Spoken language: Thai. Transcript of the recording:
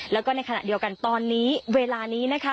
แล้วก็ในขณะเดียวกันตอนนี้เวลานี้นะคะ